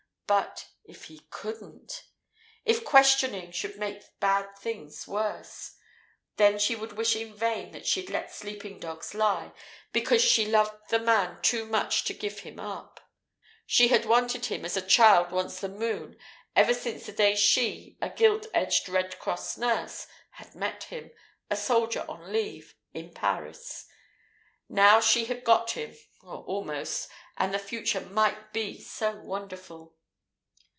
But if he couldn't. If questioning should make bad things worse? Then she would wish in vain that she'd "let sleeping dogs lie," because she loved the man too much to give him up. She had wanted him as a child wants the moon, ever since the day she, a gilt edged Red Cross nurse, had met him, a soldier on leave, in Paris. Now she had got him or almost and the future might be so wonderful!